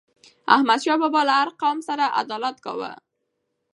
احمد شاه بابا له هر قوم سره عدالت کاوه.